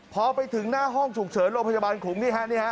พอไปถึงหน้าห้องฉุกเฉินโรงพยาบาลขลุงนี่ฮะ